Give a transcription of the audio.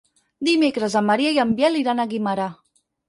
Dimecres en Maria i en Biel iran a Guimerà.